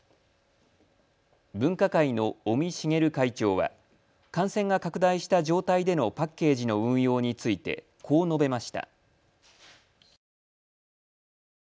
分科会の尾身茂会長は感染が拡大した状態でのパッケージの運用についてこう述べました。